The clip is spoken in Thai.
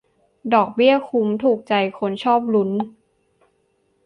ดอกเบี้ยคุ้ม ถูกใจคนชอบลุ้น